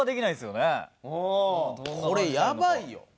これやばいよ。